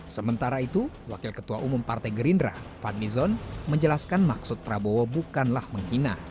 sementara itu wakil ketua umum partai gerindra fadli zon menjelaskan maksud prabowo bukanlah menghina